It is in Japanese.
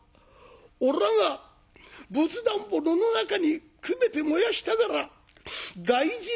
おらが仏壇を炉の中にくべて燃やしたから大事なたか」。